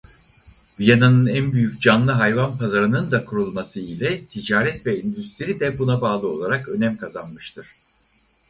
Viyana'nın en büyük canlı hayvan pazarınında kurulması ile ticaret ve endüstri de buna bağlı olarak önem kazanmıştır.